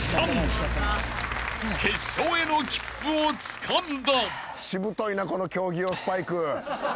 ［決勝への切符をつかんだ］